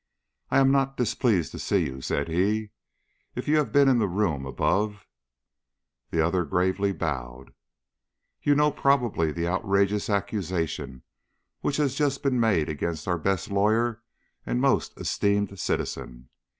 "I am not displeased to see you," said he. "If you have been in the room above " The other gravely bowed. "You know probably of the outrageous accusation which has just been made against our best lawyer and most esteemed citizen.